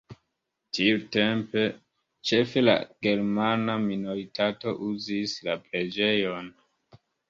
Tiutempe ĉefe la germana minoritato uzis la preĝejon.